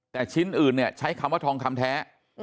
แต่ชิ้นอื่นเนี่ยใช้คำว่าทองคำแท้